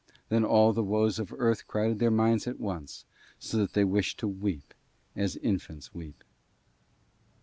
Then all the woes of Earth crowded their minds at once, so that they wished to weep, as infants weep.